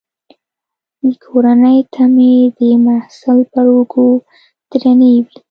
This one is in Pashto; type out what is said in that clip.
د کورنۍ تمې د محصل پر اوږو درنې وي.